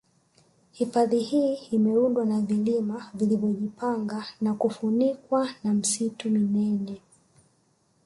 Hifadhi hii inaundwa na vilima vilivyojipanga na kufunikwa na misitu minene